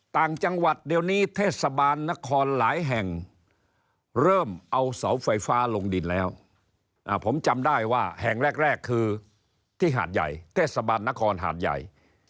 ต่างจังหวัดเดี๋ยวนี้เทศบาลนครหลายแห่งเริ่มเอาเสาไฟฟ้าลงดินแล้วผมจำได้ว่าแห่งแรกคือที่หาดใหญ่เทศบาลนครหาดใหญ่